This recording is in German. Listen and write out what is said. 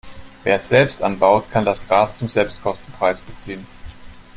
Wer es selbst anbaut, kann das Gras zum Selbstkostenpreis beziehen.